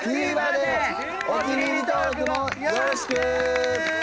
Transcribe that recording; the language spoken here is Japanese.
お気に入り登録もよろしく！